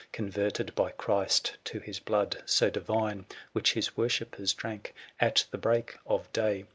Converted by Christ to his blood so divine, Which his worshippers drank at the break of day.